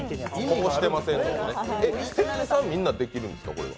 店員さん、みんなできるんですか？